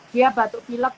dia batuk pilek